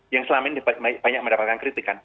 yang selama ini banyak mendapatkan kritikan